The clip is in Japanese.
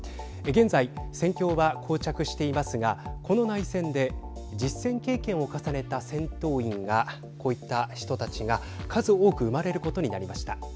現在、戦況はこう着していますが、この内戦で実戦経験を重ねた戦闘員がこういった人たちが数多く生まれることになりました。